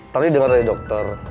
tadi denger dari dokter